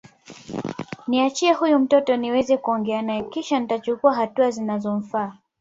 Niachie huyu mtoto niweze kuongea naye kisha nitachukua hatua zinazomfaa